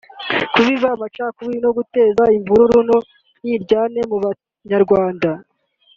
kubiba amacakubiri no guteza imvururu n’ umwiryane mu Banyarwanda